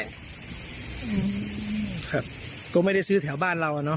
ครับก็ไม่ได้ซื้อแถวบ้านเราอ่ะเนาะ